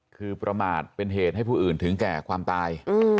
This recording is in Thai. คือประมาทเป็นเหตุให้ผู้อื่นถึงแก่ความตาย